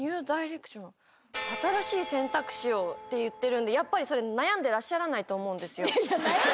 「新しい選択肢を」って言ってるんでやっぱりそれ悩んでらっしゃらないと思うんですよ。